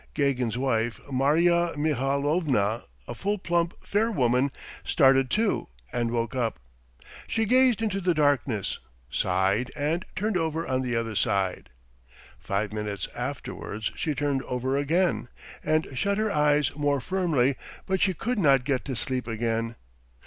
Gagin's wife, Marya Mihalovna, a full, plump, fair woman, started, too, and woke up. She gazed into the darkness, sighed, and turned over on the other side. Five minutes afterwards she turned over again and shut her eyes more firmly but she could not get to sleep again.